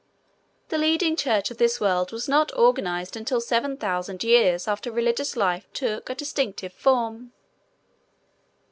The leading church of this world was not organized until seven thousand years after religious life took a distinctive form.